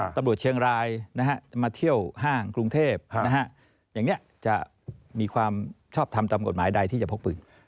ตำรวจเชียงรายมาเที่ยวห้างกรุงเทพอย่างนี้จะมีความชอบทำตามกฎหมายใดที่จะพกปืน